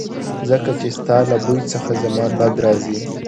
ځکه چې ستا له بوی څخه زما بد راځي